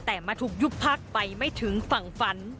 แต่มาถูกยุบพักไปไม่ถึงฝั่งฝัน